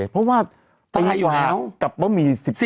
เพราะว่าตายอยู่แล้วกับบะหมี่๑๔